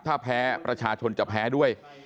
ถ้าแพ้ประชาชนจะแพ้ด้วย